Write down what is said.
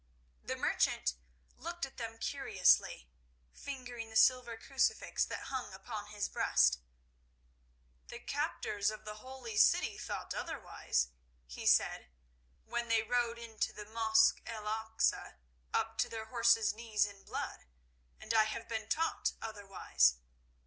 The merchant looked at them curiously, fingering the silver crucifix that hung upon his breast. "The captors of the Holy City thought otherwise," he said, "when they rode into the Mosque El Aksa up to their horses' knees in blood, and I have been taught otherwise.